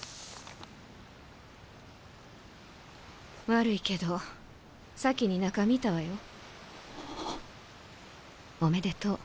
悪いけど先に中見たわよ。おめでとう。